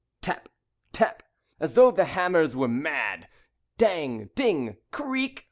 Tap! Tap! as though the hammers were mad. Dang! Ding! Creak!